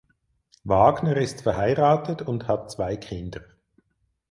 Wagner ist verheiratet und hat zwei Kinder.